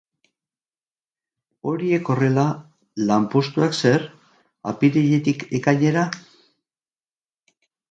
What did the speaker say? Horiek horrela, lanpostuak zer, apiriletik ekainera?